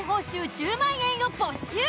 １０万円を没収。